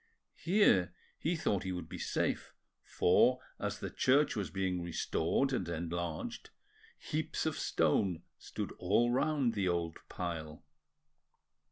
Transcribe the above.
Here he thought he would be safe, for, as the church was being restored and enlarged, heaps of stone stood all round the old pile.